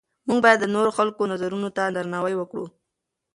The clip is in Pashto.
موږ باید د نورو خلکو نظرونو ته درناوی وکړو.